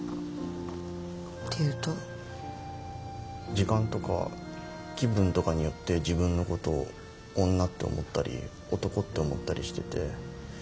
時間とか気分とかによって自分のことを女って思ったり男って思ったりしてて。